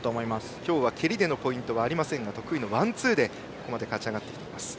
今日は蹴りでのポイントはありませんが得意のワンツーでここまで勝ち上がっています。